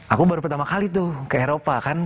aku baru pertama kali tuh ke eropa kan